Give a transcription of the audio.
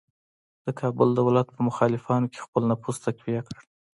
د کابل دولت په مخالفانو کې خپل نفوذ تقویه کړ.